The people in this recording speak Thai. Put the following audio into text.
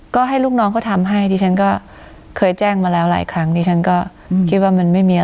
ก็ให้ลูกน้องเขาทำให้ดิฉันก็เคยแจ้งมาแล้วหลายครั้งดิฉันก็คิดว่ามันไม่มีอะไร